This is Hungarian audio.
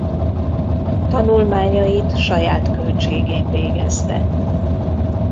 Tanulmányait saját költségén végezte.